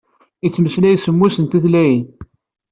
Ittmeslay semmus n tutlayin.